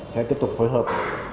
sẽ tiếp tục phối hợp